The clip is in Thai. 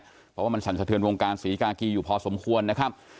เพราะว่ามันสั่นสะเทือนวงการศรีกากีอยู่พอสมควรนะครับ